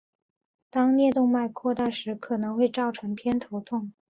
当颞动脉扩大时可能会造成偏头痛。